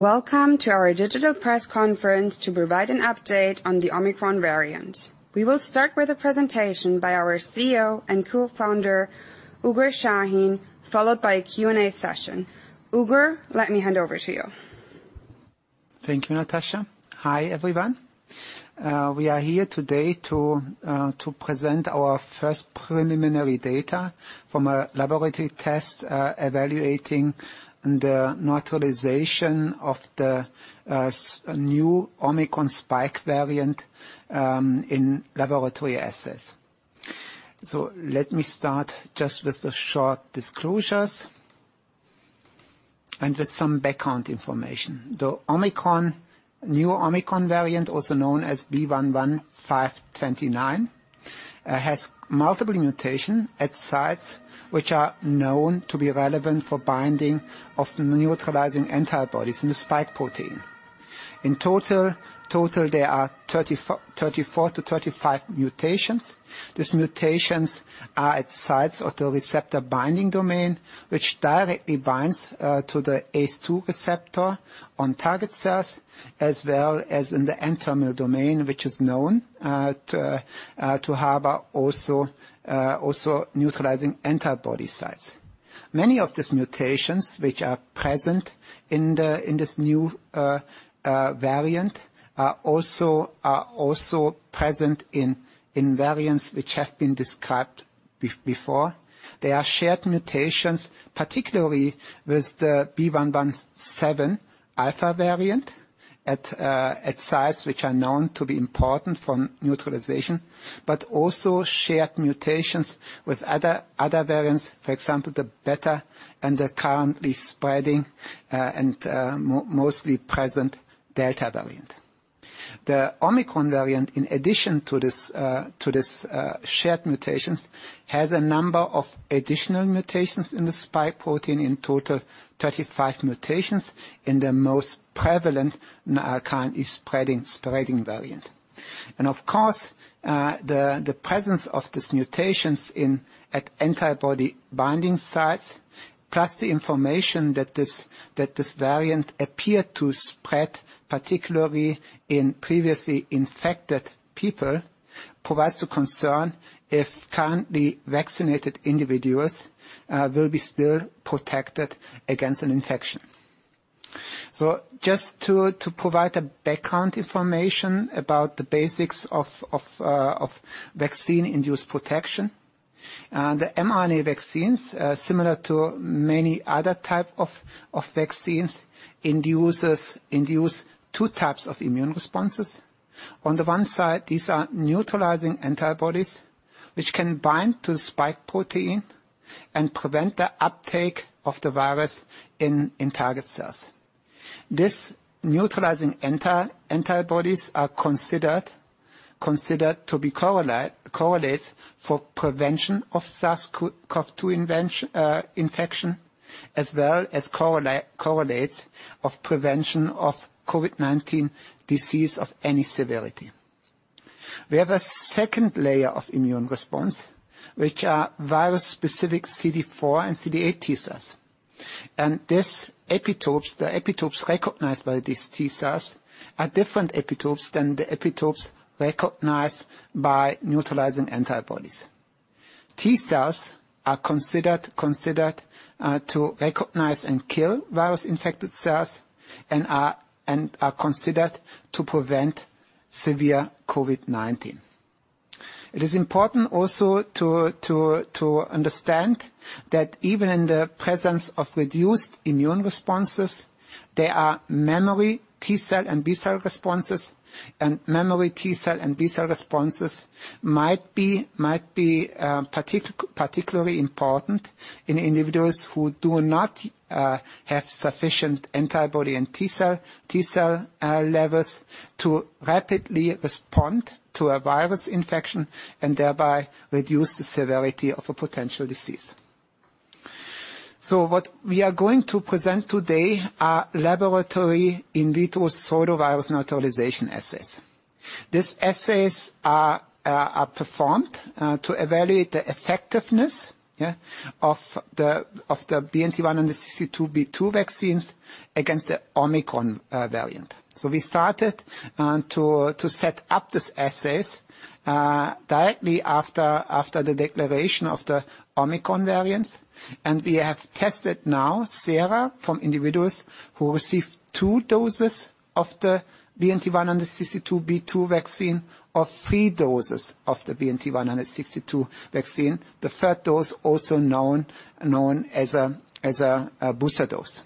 Welcome to our digital press conference to provide an update on the Omicron variant. We will start with a presentation by our CEO and co-founder, Uğur Şahin, followed by a Q&A session. Uğur, let me hand over to you. Thank you, Natasha. Hi, everyone. We are here today to present our first preliminary data from a laboratory test evaluating the neutralization of the new Omicron spike variant in laboratory assays. Let me start just with the short disclosures and with some background information. The Omicron, new Omicron variant, also known as B.1.1.529, has multiple mutation at sites which are known to be relevant for binding of the neutralizing antibodies in the spike protein. In total there are 34-35 mutations. These mutations are at sites of the receptor binding domain, which directly binds to the ACE2 receptor on target cells, as well as in the N-terminal domain, which is known to harbor also neutralizing antibody sites. Many of these mutations which are present in this new variant are also present in variants which have been described before. They are shared mutations, particularly with the B.1.1.7 Alpha variant at sites which are known to be important for neutralization, but also shared mutations with other variants. For example, the Beta and the currently spreading and mostly present Delta variant. The Omicron variant, in addition to this shared mutations, has a number of additional mutations in the spike protein. In total, 35 mutations in the most prevalent and currently spreading variant. Of course, the presence of these mutations in the antibody binding sites, plus the information that this variant appeared to spread, particularly in previously infected people, provides the concern if currently vaccinated individuals will be still protected against an infection. Just to provide background information about the basics of vaccine-induced protection. The mRNA vaccines, similar to many other type of vaccines, induce two types of immune responses. On the one side, these are neutralizing antibodies which can bind to spike protein and prevent the uptake of the virus in target cells. These neutralizing antibodies are considered to be correlates for prevention of SARS-CoV-2 infection, as well as correlates of prevention of COVID-19 disease of any severity. We have a second layer of immune response, which are virus-specific CD4 and CD8 T cells. These epitopes, the epitopes recognized by these T cells are different epitopes than the epitopes recognized by neutralizing antibodies. T cells are considered to recognize and kill virus-infected cells and are considered to prevent severe COVID-19. It is important also to understand that even in the presence of reduced immune responses, there are memory T cell and B cell responses, and memory T cell and B cell responses might be particularly important in individuals who do not have sufficient antibody and T cell levels to rapidly respond to a virus infection and thereby reduce the severity of a potential disease. What we are going to present today are laboratory in vitro pseudovirus neutralization assays. These assays are performed to evaluate the effectiveness of the BNT162b2 vaccines against the Omicron variant. We started to set up these assays directly after the declaration of the Omicron variant. We have tested now sera from individuals who received two doses of the BNT162b2 vaccine or three doses of the BNT162 vaccine. The third dose also known as a booster dose.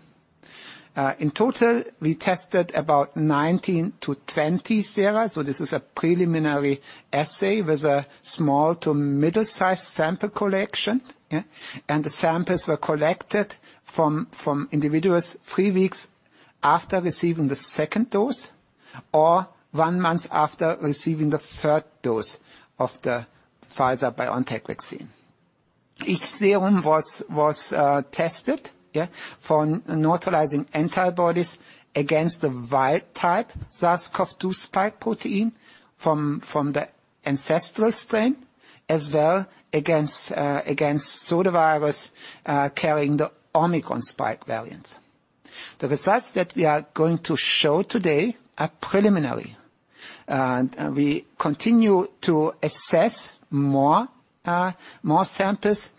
In total, we tested about 19-20 sera, so this is a preliminary assay with a small to middle-sized sample collection. The samples were collected from individuals three weeks after receiving the second dose or one month after receiving the third dose of the Pfizer-BioNTech vaccine. Each serum was tested for neutralizing antibodies against the wild type SARS-CoV-2 spike protein from the ancestral strain, as well against pseudovirus carrying the Omicron spike variant. The results that we are going to show today are preliminary. We continue to assess more samples,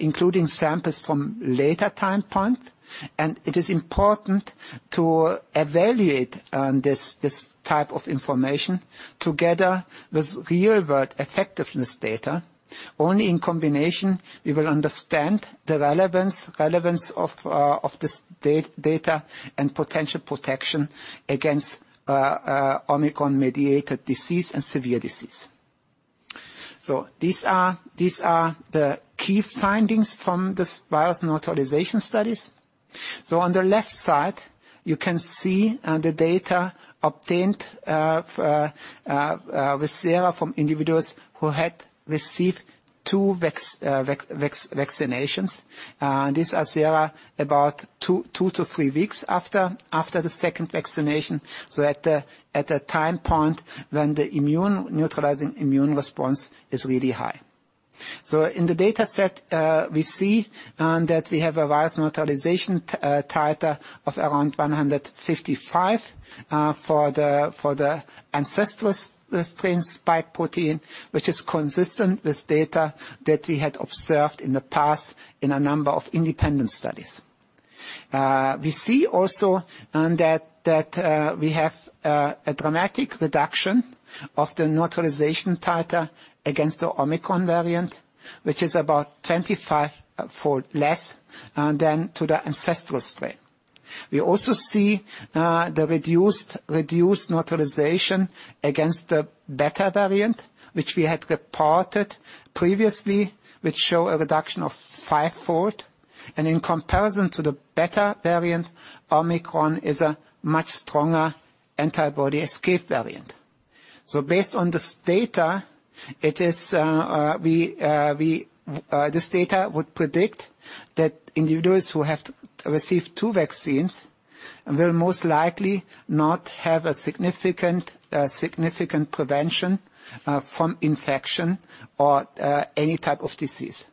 including samples from later time point. It is important to evaluate this type of information together with real-world effectiveness data. Only in combination we will understand the relevance of this data and potential protection against Omicron-mediated disease and severe disease. These are the key findings from this virus neutralization studies. On the left side, you can see the data obtained with sera from individuals who had received two vaccinations. These are sera about two to three weeks after the second vaccination, so at the time point when the neutralizing immune response is really high. In the data set, we see that we have a virus neutralization titer of around 155 for the ancestral S-strain spike protein, which is consistent with data that we had observed in the past in a number of independent studies. We see also that we have a dramatic reduction of the neutralization titer against the Omicron variant, which is about 25-fold less than to the ancestral strain. We also see the reduced neutralization against the Beta variant, which we had reported previously, which show a reduction of fivefold. In comparison to the Beta variant, Omicron is a much stronger antibody escape variant. Based on this data, this data would predict that individuals who have received two vaccines will most likely not have a significant prevention from infection or any type of disease.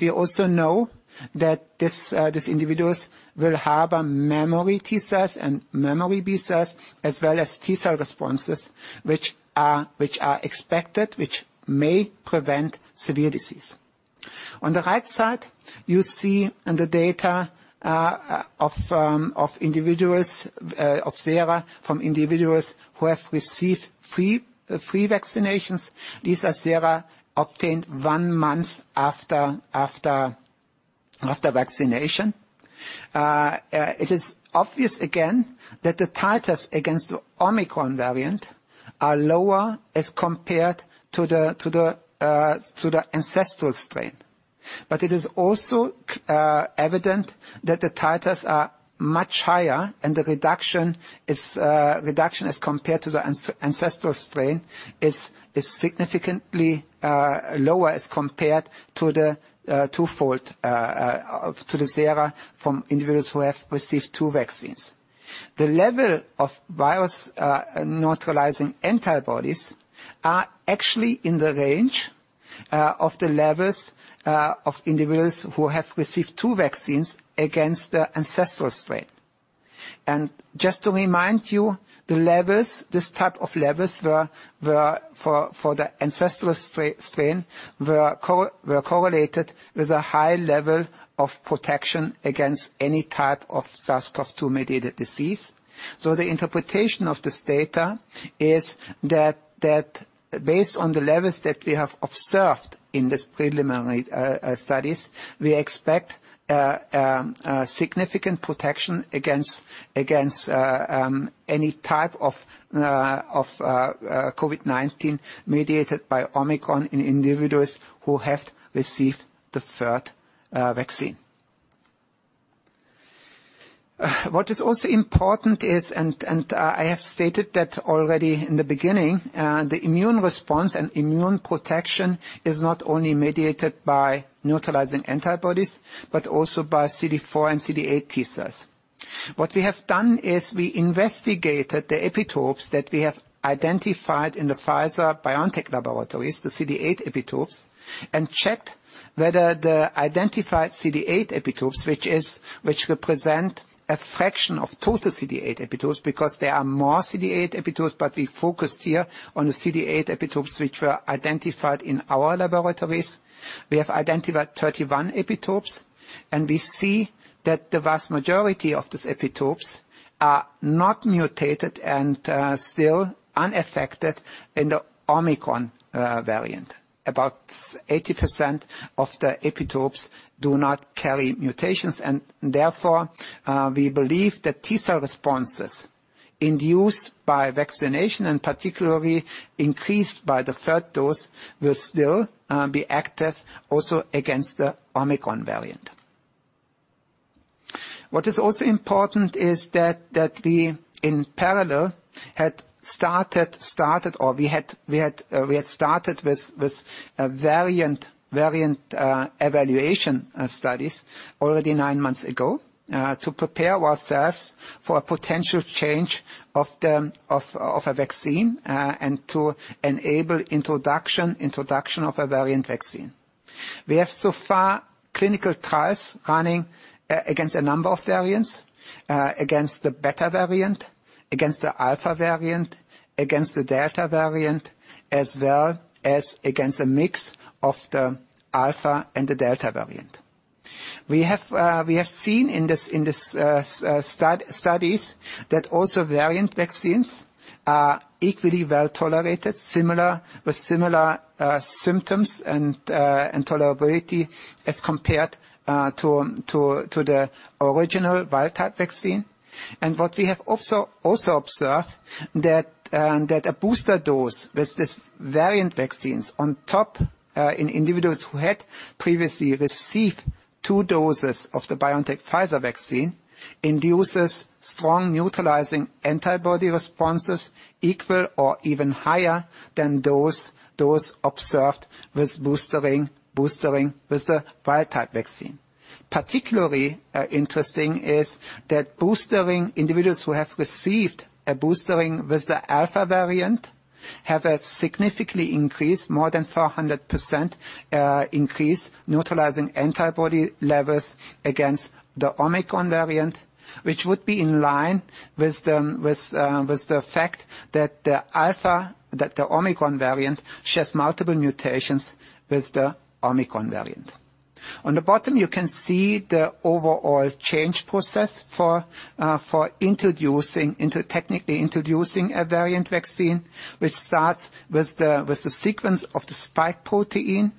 We also know that these individuals will have memory T cells and memory B cells as well as T cell responses, which are expected, which may prevent severe disease. On the right side, you see in the data of sera from individuals who have received three vaccinations. These are sera obtained one month after vaccination. It is obvious again that the titers against the Omicron variant are lower as compared to the ancestral strain. It is also evident that the titers are much higher and the reduction as compared to the ancestral strain is significantly lower as compared to the twofold to the sera from individuals who have received two vaccines. The level of virus neutralizing antibodies are actually in the range of the levels of individuals who have received two vaccines against the ancestral strain. Just to remind you, the levels, this type of levels were for the ancestral strain were correlated with a high level of protection against any type of SARS-CoV-2 mediated disease. The interpretation of this data is that based on the levels that we have observed in these preliminary studies, we expect a significant protection against any type of COVID-19 mediated by Omicron in individuals who have received the third vaccine. What is also important is, I have stated that already in the beginning, the immune response and immune protection is not only mediated by neutralizing antibodies, but also by CD4 and CD8 T cells. What we have done is we investigated the epitopes that we have identified in the Pfizer-BioNTech laboratories, the CD8 epitopes, and checked whether the identified CD8 epitopes, which represent a fraction of total CD8 epitopes, because there are more CD8 epitopes, but we focused here on the CD8 epitopes which were identified in our laboratories. We have identified 31 epitopes, and we see that the vast majority of these epitopes are not mutated and still unaffected in the Omicron variant. About 80% of the epitopes do not carry mutations and therefore we believe that T cell responses induced by vaccination, and particularly increased by the third dose, will still be active also against the Omicron variant. What is also important is that we in parallel had started with a variant evaluation studies already nine months ago to prepare ourselves for a potential change of the vaccine and to enable introduction of a variant vaccine. We have so far clinical trials running against a number of variants against the Beta variant, against the Alpha variant, against the Delta variant, as well as against a mix of the Alpha and the Delta variant. We have seen in this studies that also variant vaccines are equally well-tolerated, similar with similar symptoms and tolerability as compared to the original wild type vaccine. What we have also observed that a booster dose with this variant vaccines on top in individuals who had previously received two doses of the BioNTech-Pfizer vaccine induces strong neutralizing antibody responses equal or even higher than those observed with boosting with the wild-type vaccine. Particularly interesting is that boosting individuals who have received a boosting with the Alpha variant have significantly increased neutralizing antibody levels more than 400% against the Omicron variant, which would be in line with the fact that the Alpha variant shares multiple mutations with the Omicron variant. On the bottom, you can see the overall change process for introducing into. Technically introducing a variant vaccine, which starts with the sequence of the spike protein,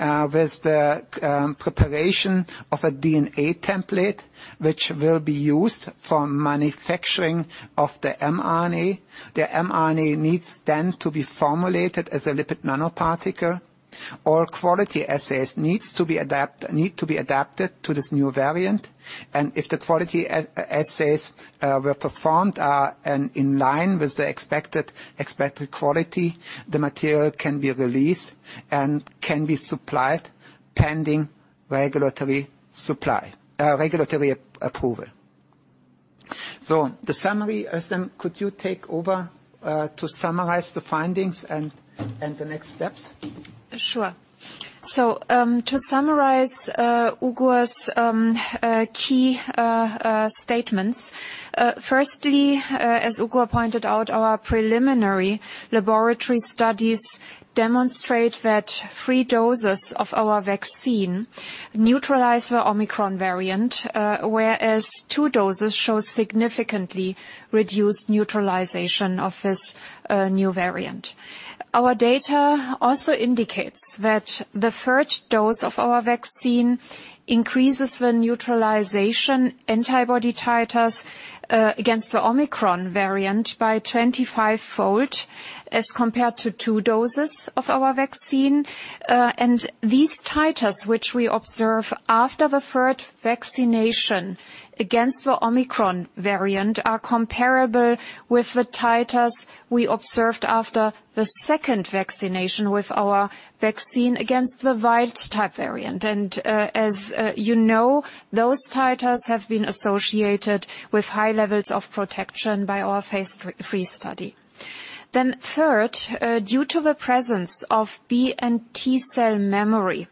with the preparation of a DNA template, which will be used for manufacturing of the mRNA. The mRNA needs then to be formulated as a lipid nanoparticle. All quality assays need to be adapted to this new variant. If the quality assays were performed and in line with the expected quality, the material can be released and can be supplied pending regulatory approval. The summary, Özlem, could you take over to summarize the findings and the next steps? Sure. To summarize Uğur's key statements, firstly, as Uğur pointed out, our preliminary laboratory studies demonstrate that three doses of our vaccine neutralize the Omicron variant, whereas two doses show significantly reduced neutralization of this new variant. Our data also indicates that the third dose of our vaccine increases the neutralization antibody titers against the Omicron variant by 25-fold as compared to two doses of our vaccine. These titers, which we observe after the third vaccination against the Omicron variant, are comparable with the titers we observed after the second vaccination with our vaccine against the wild type variant. As you know, those titers have been associated with high levels of protection by our phase III study. Third, due to the presence of B and T cell memory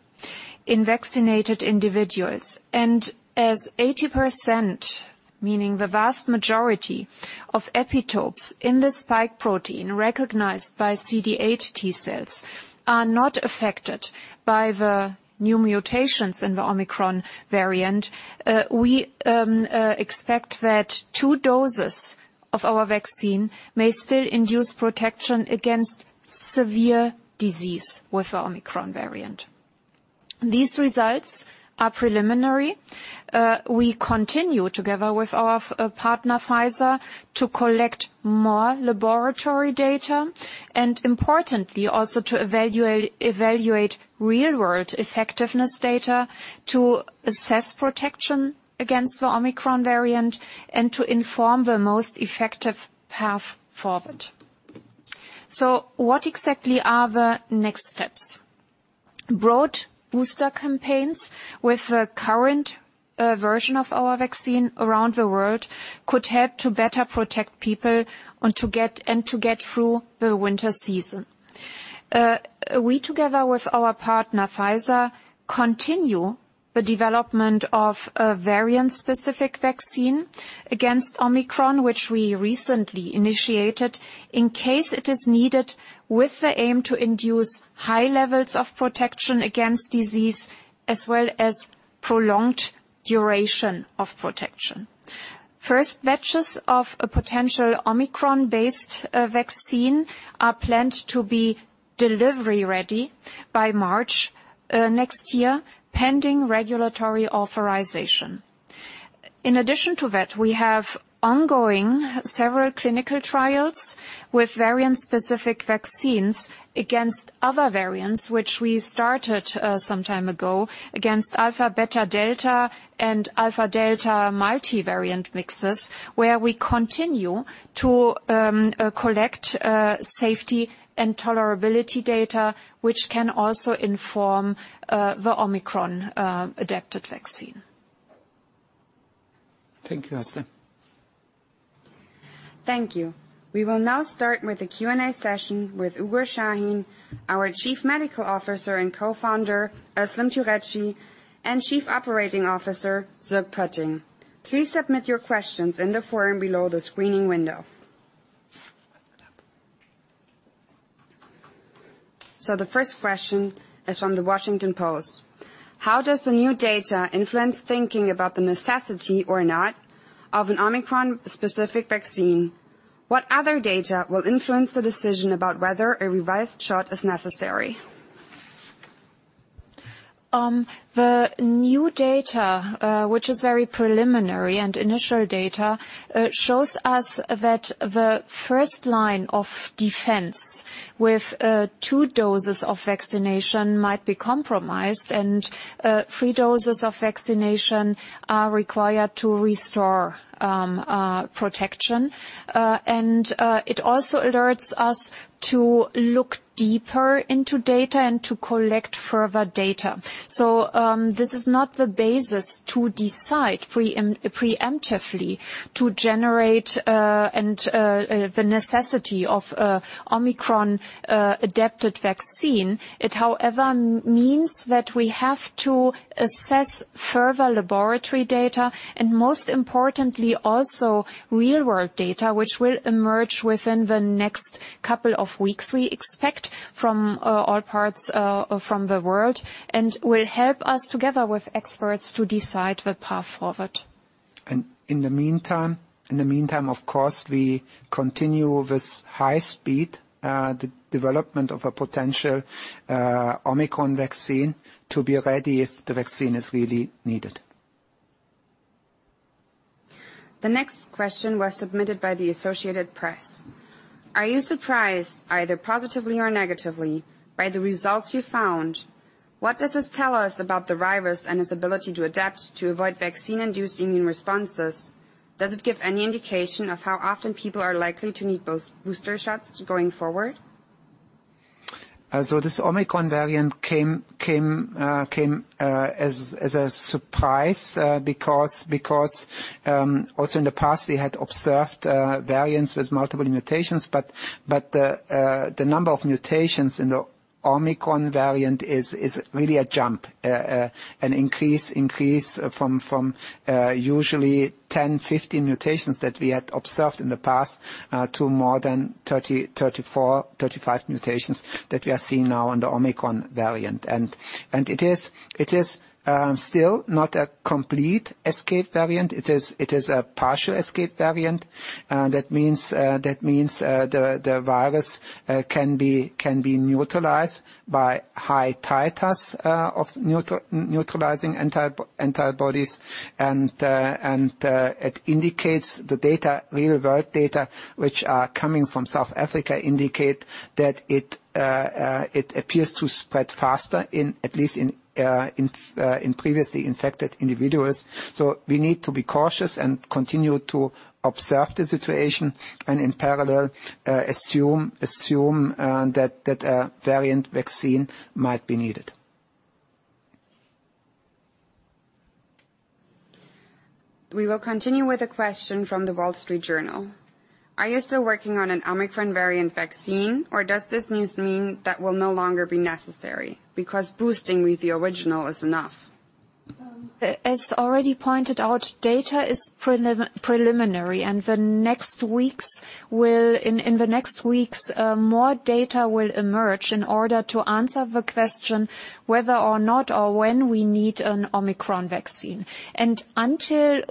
in vaccinated individuals, and as 80%, meaning the vast majority of epitopes in the spike protein recognized by CD8 T cells, are not affected by the new mutations in the Omicron variant, we expect that two doses of our vaccine may still induce protection against severe disease with the Omicron variant. These results are preliminary. We continue together with our partner, Pfizer, to collect more laboratory data and importantly also to evaluate real world effectiveness data to assess protection against the Omicron variant and to inform the most effective path forward. What exactly are the next steps? Broad booster campaigns with the current version of our vaccine around the world could help to better protect people and to get through the winter season. We together with our partner, Pfizer, continue the development of a variant-specific vaccine against Omicron, which we recently initiated in case it is needed with the aim to induce high levels of protection against disease as well as prolonged duration of protection. First batches of a potential Omicron-based vaccine are planned to be delivery ready by March next year, pending regulatory authorization. In addition to that, we have ongoing several clinical trials with variant-specific vaccines against other variants, which we started some time ago against Alpha, Beta, Delta and Alpha/Delta multivariant mixes, where we continue to collect safety and tolerability data, which can also inform the Omicron adapted vaccine. Thank you, Özlem. Thank you. We will now start with the Q&A session with Uğur Şahin, our Chief Medical Officer and co-founder, Özlem Türeci, and Chief Operating Officer, Sierk Poetting. Please submit your questions in the forum below the screening window. The first question is from The Washington Post: How does the new data influence thinking about the necessity or not of an Omicron-specific vaccine? What other data will influence the decision about whether a revised shot is necessary? The new data, which is very preliminary and initial data, shows us that the first line of defense with two doses of vaccination might be compromised and three doses of vaccination are required to restore protection. It also alerts us to look deeper into data and to collect further data. This is not the basis to decide preemptively to generate and the necessity of an Omicron-adapted vaccine. It, however, means that we have to assess further laboratory data and most importantly also real world data, which will emerge within the next couple of weeks, we expect, from all parts of the world, and will help us together with experts to decide the path forward. In the meantime, of course, we continue with high speed the development of a potential Omicron vaccine to be ready if the vaccine is really needed. The next question was submitted by the Associated Press. Are you surprised, either positively or negatively, by the results you found? What does this tell us about the virus and its ability to adapt to avoid vaccine-induced immune responses? Does it give any indication of how often people are likely to need boost-booster shots going forward? This Omicron variant came as a surprise because also in the past, we had observed variants with multiple mutations, but the number of mutations in the Omicron variant is really a jump, an increase from usually 10, 15 mutations that we had observed in the past to more than 30, 34, 35 mutations that we are seeing now in the Omicron variant. It is still not a complete escape variant. It is a partial escape variant. That means the virus can be neutralized by high titers of neutralizing antibodies. It indicates the data, real world data, which are coming from South Africa, indicate that it appears to spread faster, at least in previously infected individuals. We need to be cautious and continue to observe the situation and in parallel assume that a variant vaccine might be needed. We will continue with a question from The Wall Street Journal. Are you still working on an Omicron variant vaccine, or does this news mean that will no longer be necessary because boosting with the original is enough? As already pointed out, data is preliminary, and in the next weeks more data will emerge in order to answer the question whether or not or when we need an Omicron vaccine. Until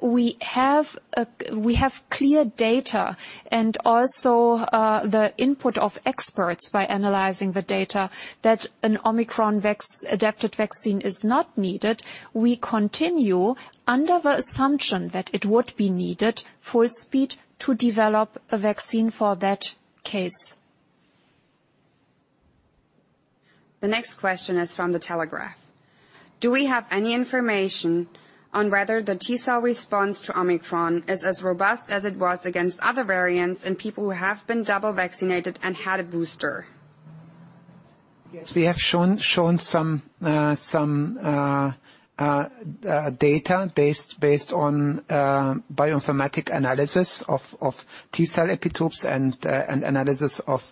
we have clear data and also the input of experts by analyzing the data that an Omicron-adapted vaccine is not needed, we continue under the assumption that it would be needed full speed to develop a vaccine for that case. The next question is from The Telegraph. Do we have any information on whether the T cell response to Omicron is as robust as it was against other variants in people who have been double vaccinated and had a booster? Yes, we have shown some data based on bioinformatic analysis of T cell epitopes and analysis of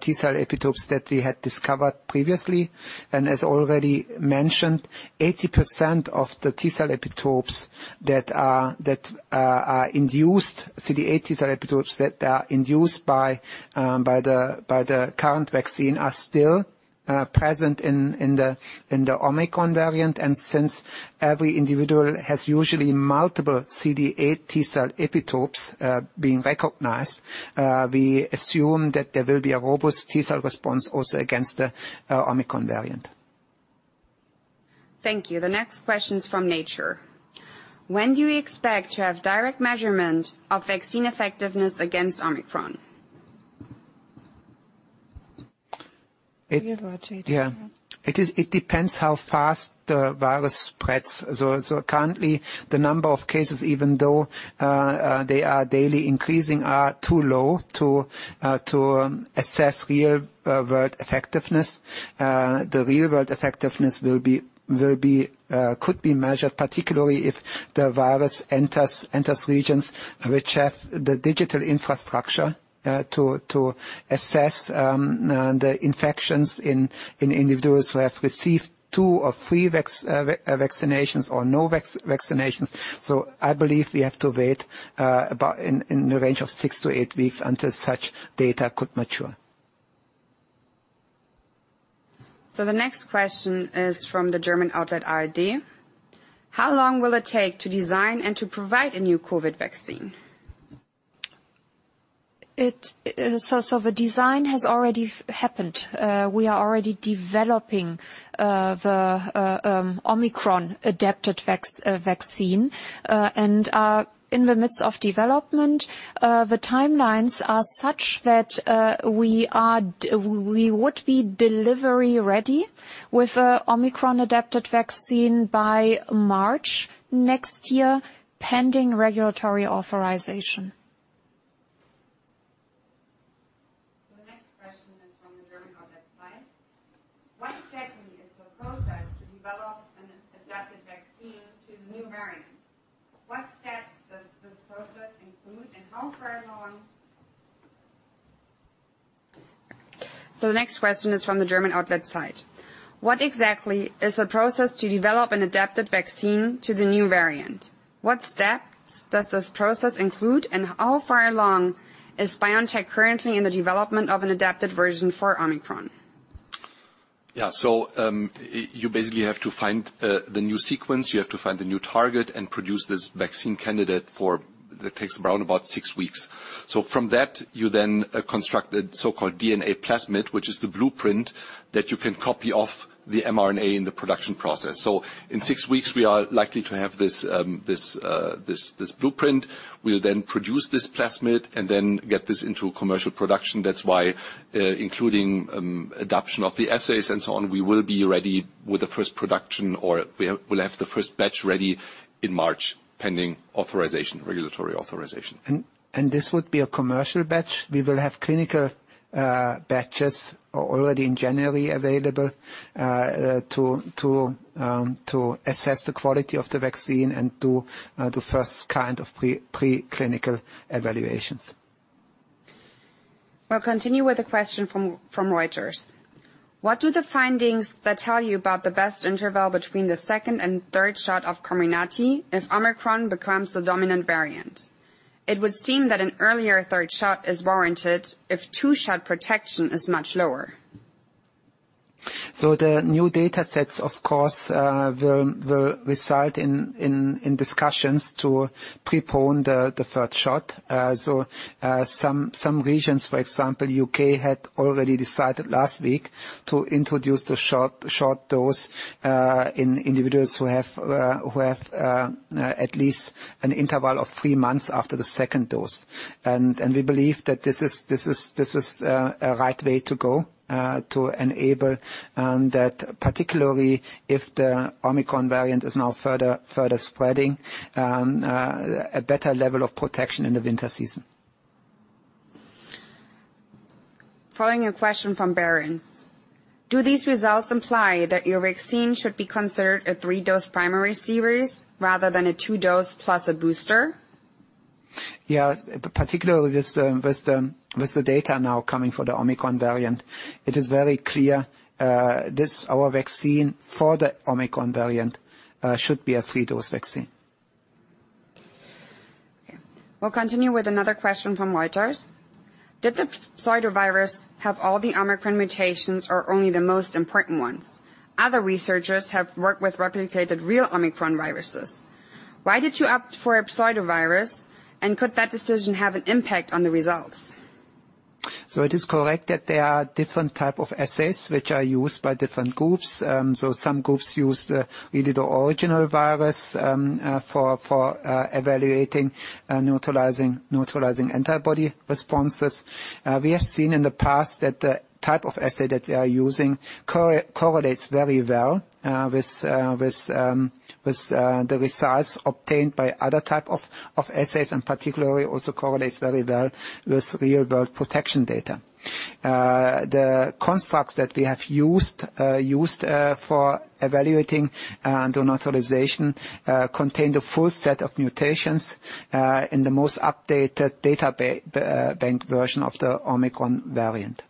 T cell epitopes that we had discovered previously. As already mentioned, 80% of the CD8 T cell epitopes that are induced by the current vaccine are still present in the Omicron variant. Since every individual has usually multiple CD8 T cell epitopes being recognized, we assume that there will be a robust T cell response also against the Omicron variant. Thank you. The next question is from Nature. When do we expect to have direct measurement of vaccine effectiveness against Omicron? Yeah. It depends how fast the virus spreads. Currently, the number of cases, even though they are daily increasing, are too low to assess real world effectiveness. The real world effectiveness could be measured, particularly if the virus enters regions which have the digital infrastructure to assess the infections in individuals who have received two or three vaccinations, or no vaccinations. I believe we have to wait about in the range of six to eight weeks until such data could mature. The next question is from the German outlet, ARD. How long will it take to design and to provide a new COVID vaccine? The design has already happened. We are already developing the Omicron-adapted vaccine. In the midst of development, the timelines are such that we would be delivery ready with an Omicron-adapted vaccine by March next year, pending regulatory authorization. The next question is from the German outlet Zierk. What exactly is the process to develop an adapted vaccine to the new variant? What steps does this process include, and how far along is BioNTech currently in the development of an adapted version for Omicron? You basically have to find the new sequence, you have to find the new target and produce this vaccine candidate. It takes around about six weeks. From that, you then construct the so-called DNA plasmid, which is the blueprint that you can copy off the mRNA in the production process. In six weeks, we are likely to have this blueprint. We'll then produce this plasmid and then get this into commercial production. That's why, including adaptation of the assays and so on, we'll have the first batch ready in March, pending authorization, regulatory authorization. This would be a commercial batch. We will have clinical batches already in January available to assess the quality of the vaccine and do the first kind of pre-clinical evaluations. We'll continue with a question from Reuters. What do the findings that tell you about the best interval between the second and third shot of Comirnaty if Omicron becomes the dominant variant? It would seem that an earlier third shot is warranted if two-shot protection is much lower. The new data sets, of course, will result in discussions to prepone the third shot. Some regions, for example, U.K. had already decided last week to introduce the shot dose in individuals who have at least an interval of three months after the second dose. We believe that this is a right way to go to enable that particularly if the Omicron variant is now further spreading a better level of protection in the winter season. Following a question from Barron's. Do these results imply that your vaccine should be considered a three-dose primary series rather than a two-dose plus a booster? Yeah. Particularly with the data now coming for the Omicron variant, it is very clear, our vaccine for the Omicron variant should be a three-dose vaccine. We'll continue with another question from Reuters. Did the pseudovirus have all the Omicron mutations or only the most important ones? Other researchers have worked with replicated real Omicron viruses. Why did you opt for a pseudovirus, and could that decision have an impact on the results? It is correct that there are different type of assays which are used by different groups. Some groups use either the original virus for evaluating neutralizing antibody responses. We have seen in the past that the type of assay that we are using correlates very well with the results obtained by other type of assays, and particularly also correlates very well with real world protection data. The constructs that we have used for evaluating the neutralization contain the full set of mutations in the most updated data bank version of the Omicron variant.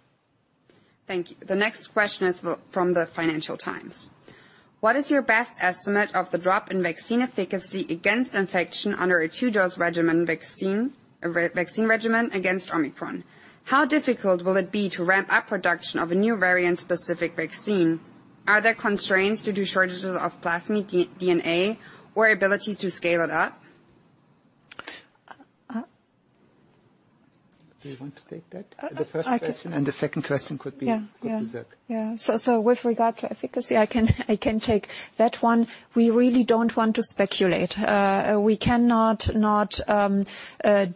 Thank you. The next question is from the Financial Times. What is your best estimate of the drop in vaccine efficacy against infection under a two-dose regimen vaccine regimen against Omicron? How difficult will it be to ramp up production of a new variant-specific vaccine? Are there constraints due to shortages of plasmid DNA or abilities to scale it up? Do you want to take that? The first question. I can. The second question. Yeah. Could be Sierk. Yeah. With regard to efficacy, I can take that one. We really don't want to speculate. We cannot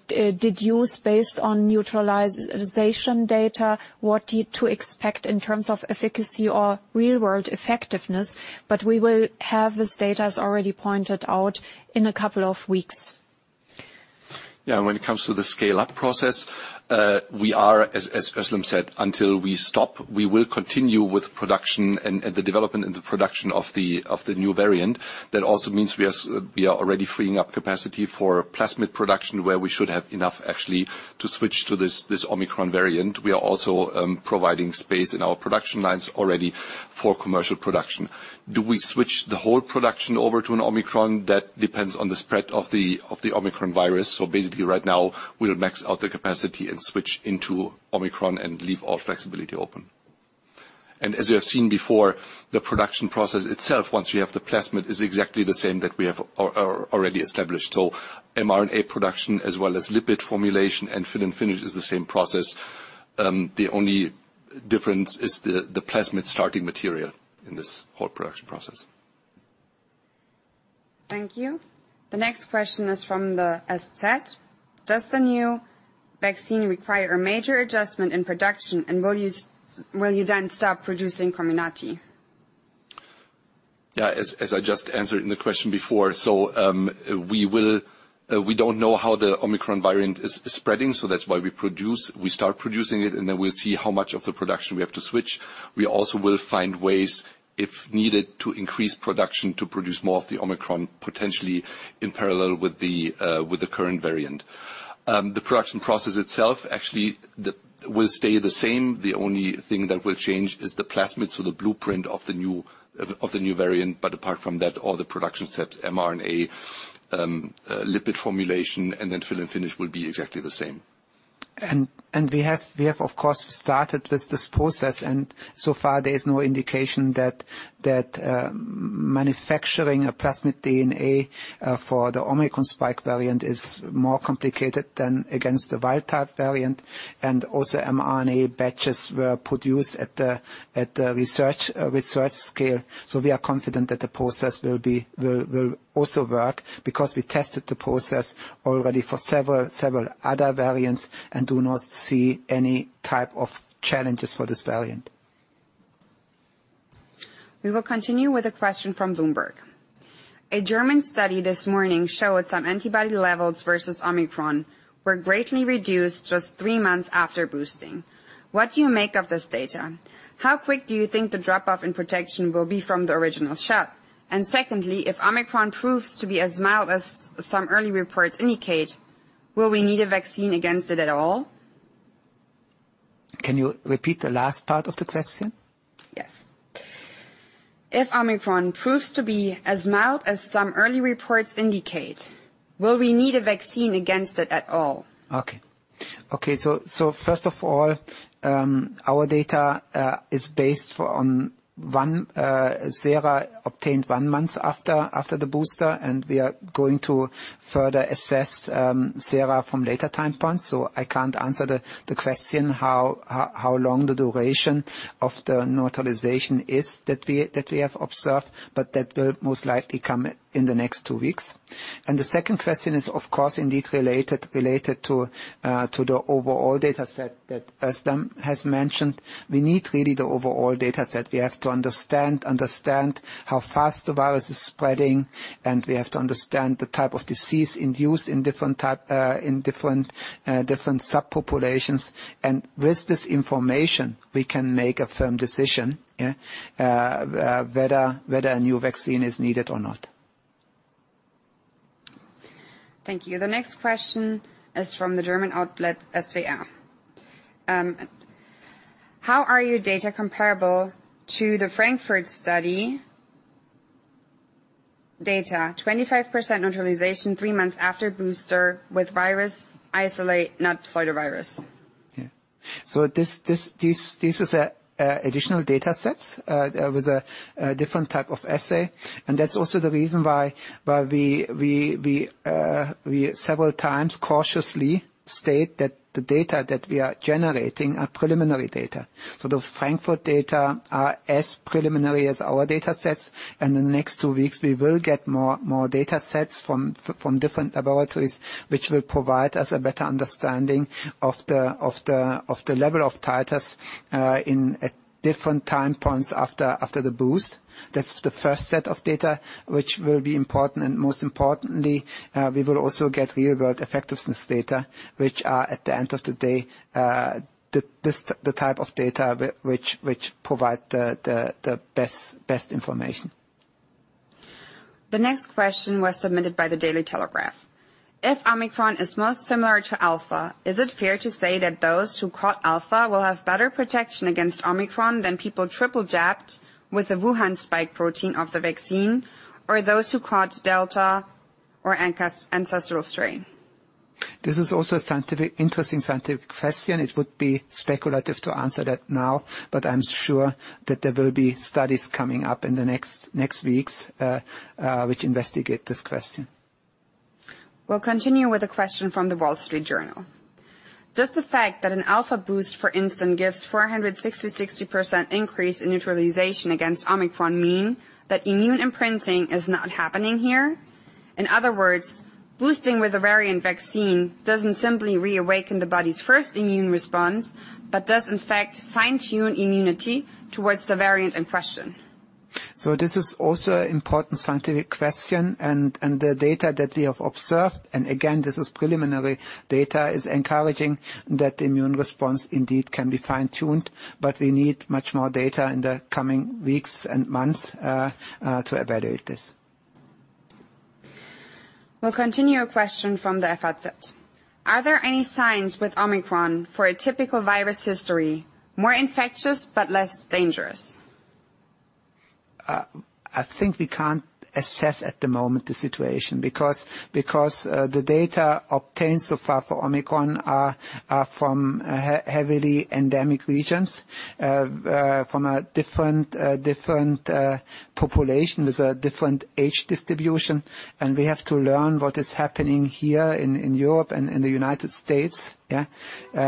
deduce based on neutralization data what to expect in terms of efficacy or real world effectiveness. We will have this data, as already pointed out, in a couple of weeks. Yeah. When it comes to the scale up process, we are, as Özlem said, until we stop, we will continue with production and the development and the production of the new variant. That also means we are already freeing up capacity for plasmid production, where we should have enough actually to switch to this Omicron variant. We are also providing space in our production lines already for commercial production. Do we switch the whole production over to an Omicron? That depends on the spread of the Omicron virus. Basically right now, we'll max out the capacity and switch into Omicron and leave all flexibility open. As you have seen before, the production process itself, once we have the plasmid, is exactly the same that we have already established. mRNA production as well as lipid formulation and fill and finish is the same process. The only difference is the plasmid starting material in this whole production process. Thank you. The next question is from the SZ. Does the new vaccine require a major adjustment in production, and will you then stop producing Comirnaty? Yeah, as I just answered in the question before, we don't know how the Omicron variant is spreading, that's why we start producing it, and then we'll see how much of the production we have to switch. We also will find ways, if needed, to increase production to produce more of the Omicron, potentially in parallel with the current variant. The production process itself actually will stay the same. The only thing that will change is the plasmid, so the blueprint of the new variant. Apart from that, all the production steps, mRNA, lipid formulation, and then fill and finish will be exactly the same. We have of course started with this process, and so far there is no indication that manufacturing a plasmid DNA for the Omicron spike variant is more complicated than against the wild type variant. mRNA batches were produced at the research scale. We are confident that the process will also work because we tested the process already for several other variants and do not see any type of challenges for this variant. We will continue with a question from Bloomberg. A German study this morning showed some antibody levels versus Omicron were greatly reduced just three months after boosting. What do you make of this data? How quick do you think the drop-off in protection will be from the original shot? And secondly, if Omicron proves to be as mild as some early reports indicate, will we need a vaccine against it at all? Can you repeat the last part of the question? Yes. If Omicron proves to be as mild as some early reports indicate, will we need a vaccine against it at all? Okay. First of all, our data is based on sera obtained one month after the booster, and we are going to further assess sera from later time points. I can't answer the question how long the duration of the neutralization is that we have observed, but that will most likely come in the next two weeks. The second question is, of course, indeed related to the overall data set that Özlem has mentioned. We need really the overall data set. We have to understand how fast the virus is spreading, and we have to understand the type of disease induced in different subpopulations. With this information, we can make a firm decision, yeah, whether a new vaccine is needed or not. Thank you. The next question is from the German outlet SWR. How are your data comparable to the Frankfurt study data? 25% neutralization three months after booster with virus isolate, not pseudovirus. Yeah. This is an additional data sets with a different type of assay. That's also the reason why we several times cautiously state that the data that we are generating are preliminary data. Those Frankfurt data are as preliminary as our data sets. The next two weeks, we will get more data sets from different laboratories, which will provide us a better understanding of the level of titers at different time points after the boost. That's the first set of data which will be important. Most importantly, we will also get real world effectiveness data, which are, at the end of the day, the type of data which provide the best information. The next question was submitted by The Daily Telegraph. If Omicron is most similar to Alpha, is it fair to say that those who caught Alpha will have better protection against Omicron than people triple jabbed with the Wuhan spike protein of the vaccine, or those who caught Delta or ancestral strain? This is also a scientific, interesting scientific question. It would be speculative to answer that now, but I'm sure that there will be studies coming up in the next weeks, which investigate this question. We'll continue with a question from The Wall Street Journal. Does the fact that an Alpha boost, for instance, gives 466% increase in neutralization against Omicron mean that immune imprinting is not happening here? In other words, boosting with a variant vaccine doesn't simply reawaken the body's first immune response, but does in fact fine-tune immunity towards the variant in question. This is also important scientific question and the data that we have observed, and again this is preliminary data, is encouraging that immune response indeed can be fine-tuned. But we need much more data in the coming weeks and months to evaluate this. We'll continue with a question from the Are there any signs with Omicron for a typical virus history, more infectious but less dangerous? I think we can't assess at the moment the situation because the data obtained so far for Omicron are from heavily endemic regions from a different population with a different age distribution. We have to learn what is happening here in Europe and in the United States, yeah? We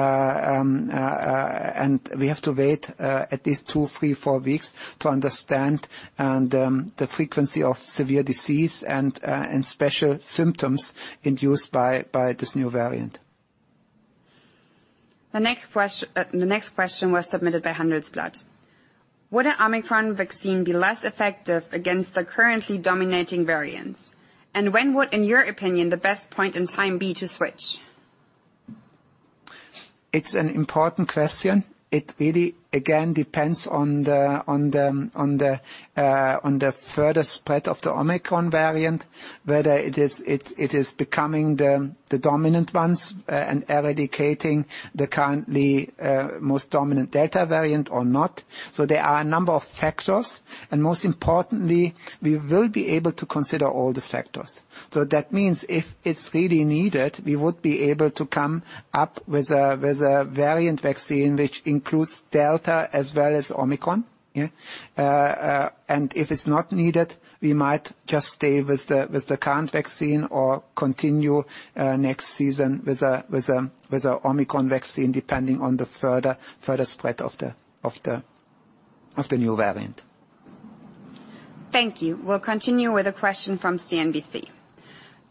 have to wait at least two, three, four weeks to understand the frequency of severe disease and special symptoms induced by this new variant. The next question was submitted by Handelsblatt. Would an Omicron vaccine be less effective against the currently dominating variants? And when would, in your opinion, the best point in time be to switch? It's an important question. It really, again, depends on the further spread of the Omicron variant, whether it is becoming the dominant ones and eradicating the currently most dominant Delta variant or not. There are a number of factors, and most importantly, we will be able to consider all these factors. That means if it's really needed, we would be able to come up with a variant vaccine which includes Delta as well as Omicron, yeah? If it's not needed, we might just stay with the current vaccine or continue next season with an Omicron vaccine, depending on the further spread of the new variant. Thank you. We'll continue with a question from CNBC.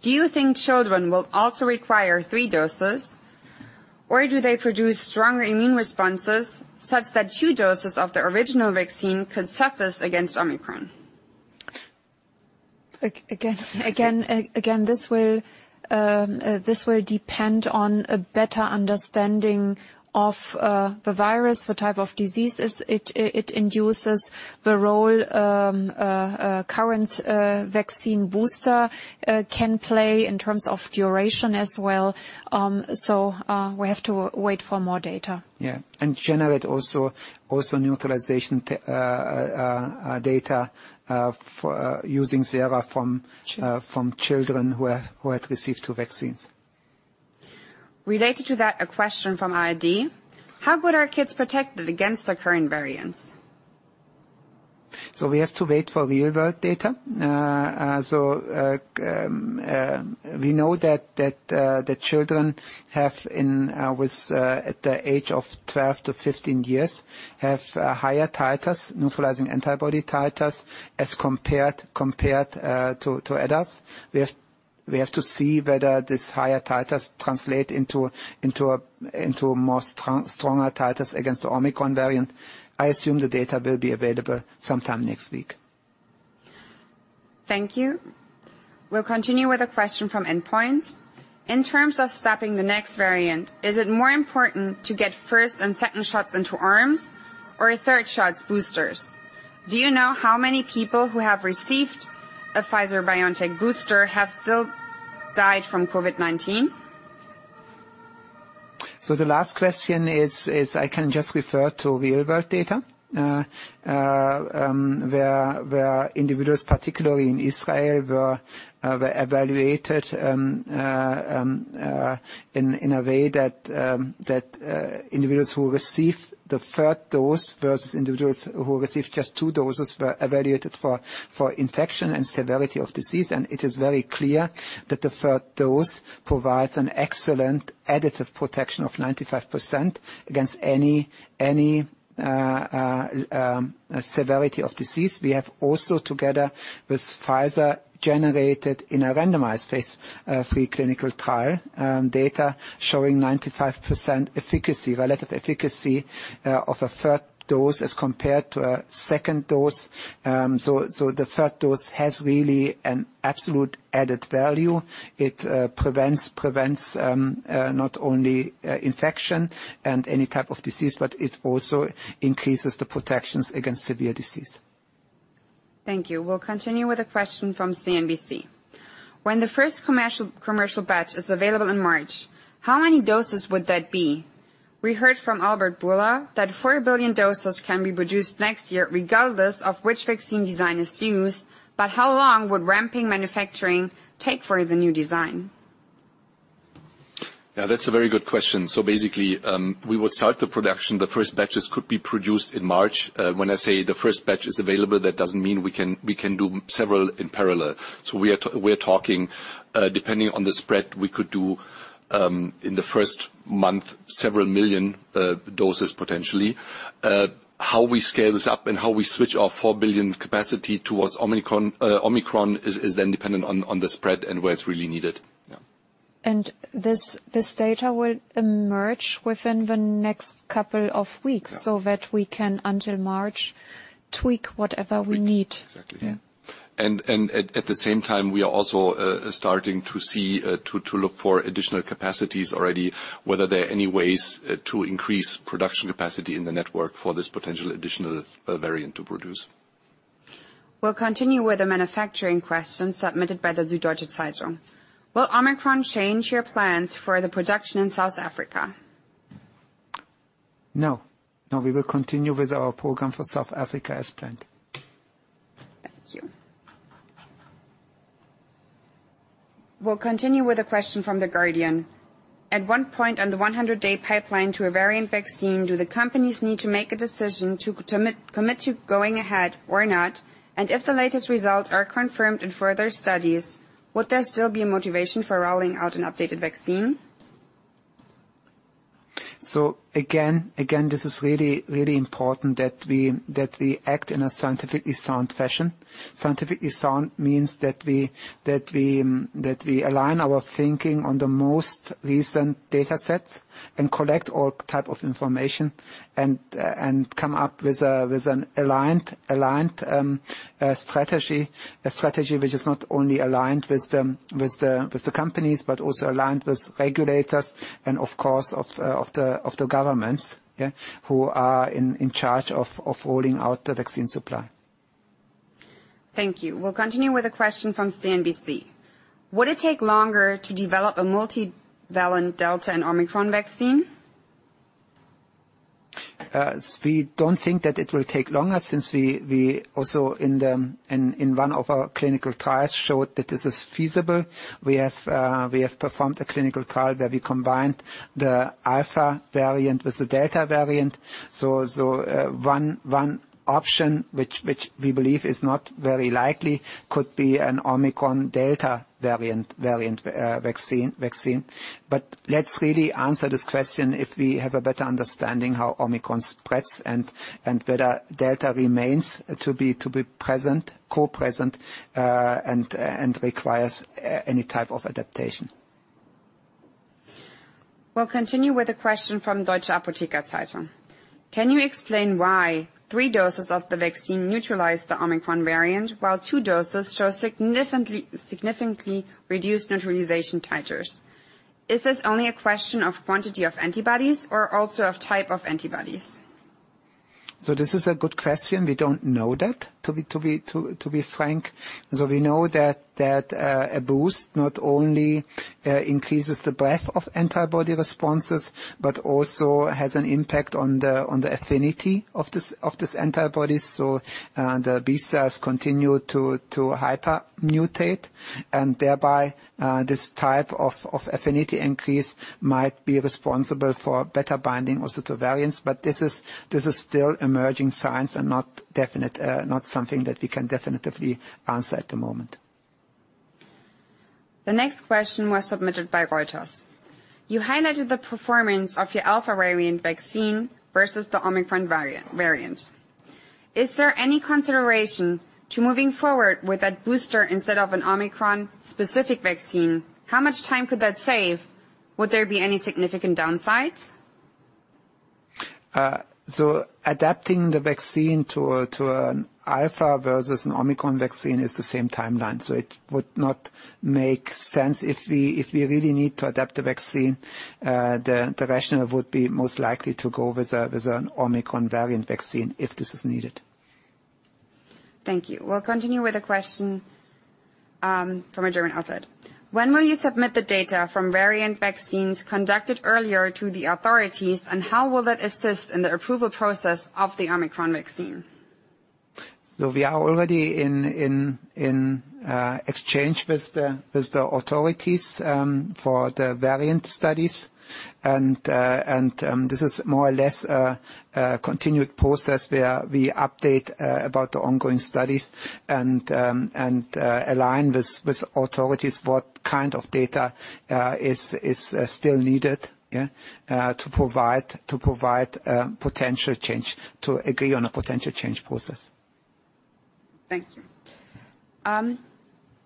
Do you think children will also require three doses, or do they produce stronger immune responses such that two doses of the original vaccine could suffice against Omicron? Again, this will depend on a better understanding of the virus, what type of diseases it induces, the role a current vaccine booster can play in terms of duration as well. We have to wait for more data. Yeah, generate also neutralization data for using sera from- Sure. from children who have received two vaccines. Related to that, a question from ARD. How could our kids protect against the current variants? We have to wait for real world data. We know that the children at the age of 12-15 years have higher titers, neutralizing antibody titers, as compared to adults. We have to see whether these higher titers translate into more stronger titers against the Omicron variant. I assume the data will be available sometime next week. Thank you. We'll continue with a question from Endpoints. In terms of stopping the next variant, is it more important to get first and second shots into arms or third shots boosters? Do you know how many people who have received a Pfizer-BioNTech booster have still died from COVID-19? The last question is, I can just refer to real-world data where individuals, particularly in Israel, were evaluated in a way that individuals who received the third dose versus individuals who received just two doses were evaluated for infection and severity of disease. It is very clear that the third dose provides an excellent additive protection of 95% against any severity of disease. We have also, together with Pfizer, generated in a randomized phase III clinical trial data showing 95% efficacy, relative efficacy, of a third dose as compared to a second dose. The third dose has really an absolute added value. It prevents not only infection and any type of disease, but it also increases the protections against severe disease. Thank you. We'll continue with a question from CNBC. When the first commercial batch is available in March, how many doses would that be? We heard from Albert Bourla that 4 billion doses can be produced next year regardless of which vaccine design is used, but how long would ramping manufacturing take for the new design? Yeah, that's a very good question. Basically, we will start the production. The first batches could be produced in March. When I say the first batch is available, that doesn't mean we can do several in parallel. We are talking, depending on the spread, we could do, in the first month, several million doses, potentially. How we scale this up and how we switch our 4 billion capacity towards Omicron is then dependent on the spread and where it's really needed. Yeah. This data will emerge within the next couple of weeks. Yeah. That we can, until March, tweak whatever we need. Exactly. Yeah. At the same time, we are also starting to look for additional capacities already, whether there are any ways to increase production capacity in the network for this potential additional variant to produce. We'll continue with a manufacturing question submitted by the Süddeutsche Zeitung. Will Omicron change your plans for the production in South Africa? No, we will continue with our program for South Africa as planned. Thank you. We'll continue with a question from The Guardian. At what point on the 100-day pipeline to a variant vaccine do the companies need to make a decision to commit to going ahead or not? And if the latest results are confirmed in further studies, would there still be a motivation for rolling out an updated vaccine? Again, this is really important that we act in a scientifically sound fashion. Scientifically sound means that we align our thinking on the most recent data sets and collect all type of information and come up with an aligned strategy. A strategy which is not only aligned with the companies, but also aligned with regulators and of course the governments, yeah, who are in charge of rolling out the vaccine supply. Thank you. We'll continue with a question from CNBC. Would it take longer to develop a multivalent Delta and Omicron vaccine? We don't think that it will take longer since we also in one of our clinical trials showed that this is feasible. We have performed a clinical trial where we combined the Alpha variant with the Delta variant. One option which we believe is not very likely could be an Omicron/Delta variant vaccine. Let's really answer this question if we have a better understanding how Omicron spreads and whether Delta remains to be present, co-present, and requires any type of adaptation. We'll continue with a question from Deutsche Apotheker Zeitung. Can you explain why three doses of the vaccine neutralize the Omicron variant, while two doses show significantly reduced neutralization titers? Is this only a question of quantity of antibodies or also of type of antibodies? This is a good question. We don't know that, to be frank. We know that a boost not only increases the breadth of antibody responses, but also has an impact on the affinity of these antibodies. The B cells continue to hypermutate, and thereby this type of affinity increase might be responsible for better binding also to variants. This is still emerging science and not definite, not something that we can definitively answer at the moment. The next question was submitted by Reuters. You highlighted the performance of your Alpha variant vaccine versus the Omicron variant. Is there any consideration to moving forward with that booster instead of an Omicron-specific vaccine? How much time could that save? Would there be any significant downsides? Adapting the vaccine to an Alpha versus an Omicron vaccine is the same timeline, so it would not make sense. If we really need to adapt the vaccine, the rationale would be most likely to go with an Omicron variant vaccine, if this is needed. Thank you. We'll continue with a question from a German outlet. When will you submit the data from variant vaccines conducted earlier to the authorities, and how will that assist in the approval process of the Omicron vaccine? We are already in exchange with the authorities for the variant studies. This is more or less a continued process where we update about the ongoing studies and align with authorities what kind of data is still needed to provide a potential change, to agree on a potential change process. Thank you.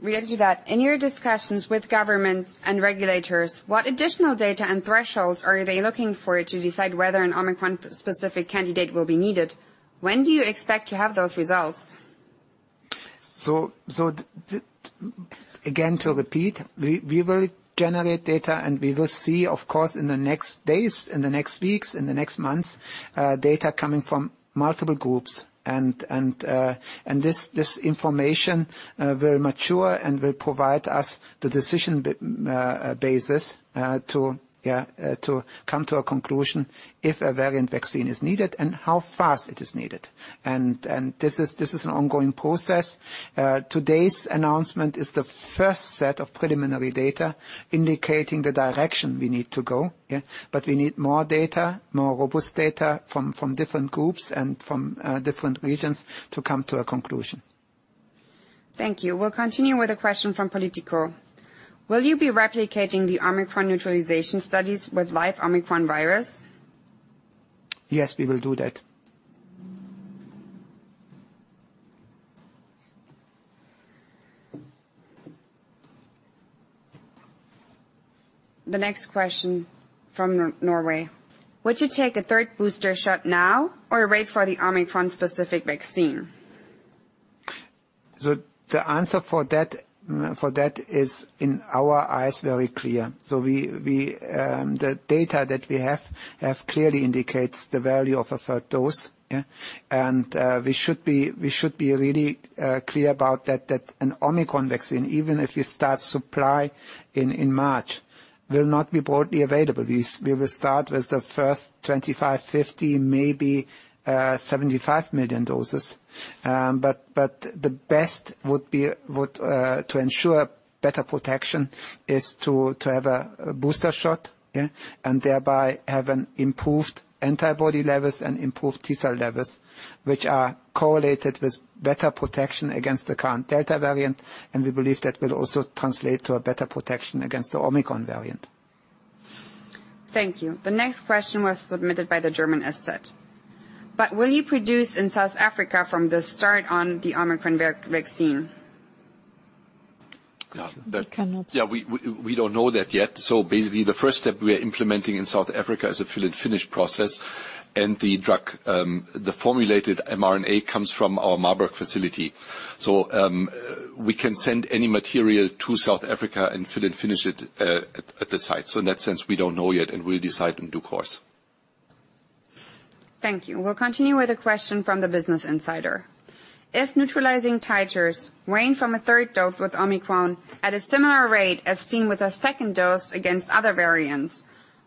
Related to that, in your discussions with governments and regulators, what additional data and thresholds are they looking for to decide whether an Omicron-specific candidate will be needed? When do you expect to have those results? Again, to repeat, we will generate data and we will see, of course, in the next days, in the next weeks, in the next months, data coming from multiple groups. This information will mature and will provide us the decision basis to come to a conclusion if a variant vaccine is needed and how fast it is needed. This is an ongoing process. Today's announcement is the first set of preliminary data indicating the direction we need to go. We need more data, more robust data from different groups and from different regions to come to a conclusion. Thank you. We'll continue with a question from Politico. Will you be replicating the Omicron neutralization studies with live Omicron virus? Yes, we will do that. The next question from Norway. Would you take a third booster shot now, or wait for the Omicron specific vaccine? The answer for that is in our eyes very clear. The data that we have clearly indicates the value of a third dose, yeah? We should be really clear about that an Omicron vaccine, even if we start supply in March, will not be broadly available. We will start with the first 25 million, 50 million, maybe 75 million doses. But the best would be to ensure better protection is to have a booster shot, yeah? Thereby have an improved antibody levels and improved T cell levels, which are correlated with better protection against the current Delta variant, and we believe that will also translate to a better protection against the Omicron variant. Thank you. The next question was submitted by the German Ärzte. Will you produce in South Africa from the start on the Omicron vaccine? Yeah. You can answer. Yeah, we don't know that yet. Basically the first step we are implementing in South Africa is a fill and finish process. The drug, the formulated mRNA comes from our Marburg facility. We can send any material to South Africa and fill and finish it at the site. In that sense, we don't know yet, and we'll decide in due course. Thank you. We'll continue with a question from the Business Insider. If neutralizing titers wane from a third dose with Omicron at a similar rate as seen with a second dose against other variants,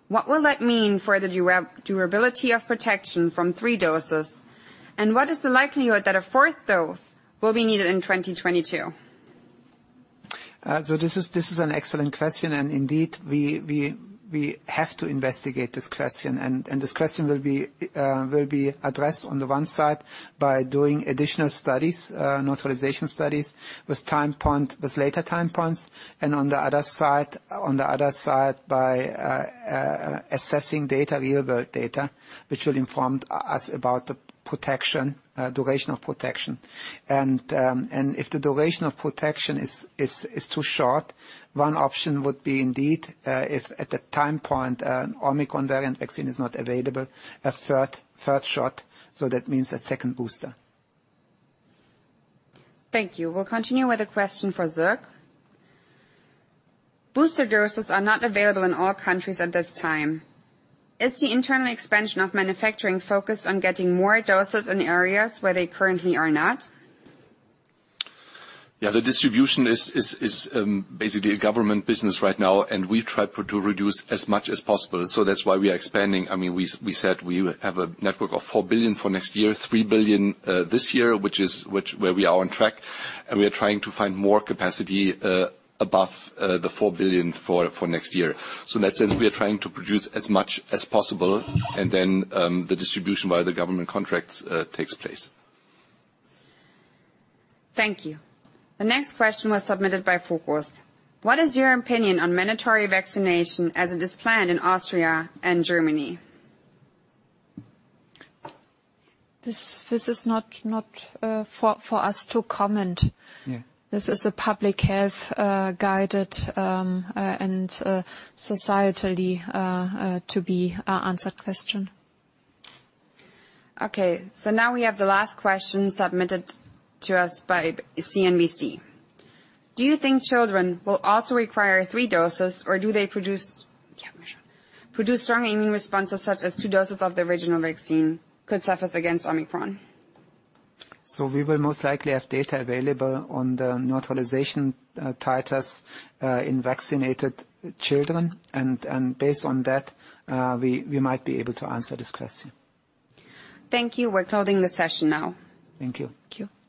what will that mean for the durability of protection from three doses? And what is the likelihood that a fourth dose will be needed in 2022? This is an excellent question. Indeed, we have to investigate this question. This question will be addressed on one side by doing additional studies, neutralization studies, with later time points. On the other side, by assessing data, real world data, which will inform us about the protection, duration of protection. If the duration of protection is too short, one option would be indeed, if at the time point, an Omicron variant vaccine is not available, a third shot, that means a second booster. Thank you. We'll continue with a question for Zierk. Booster doses are not available in all countries at this time. Is the internal expansion of manufacturing focused on getting more doses in areas where they currently are not? Yeah. The distribution is basically a government business right now, and we try to reduce as much as possible. That's why we are expanding. I mean, we said we have a network of 4 billion for next year, 3 billion this year, which is where we are on track. We are trying to find more capacity above the 4 billion for next year. In that sense, we are trying to produce as much as possible, and then the distribution via the government contracts takes place. Thank you. The next question was submitted by FOCUS. What is your opinion on mandatory vaccination as it is planned in Austria and Germany? This is not for us to comment. Yeah. This is a public health guided and societally to be an answered question. Now we have the last question submitted to us by CNBC. Do you think children will also require three doses, or do they produce- Yeah, Michelle. Produce strong immune responses such as two doses of the original vaccine could surface against Omicron? We will most likely have data available on the neutralization titers in vaccinated children. Based on that, we might be able to answer this question. Thank you. We're closing the session now. Thank you. Thank you.